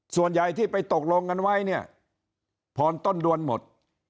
ส่วนใหญ่ที่ไปตกลงกันไว้เนี่ยผ่อนต้นเดือนหมด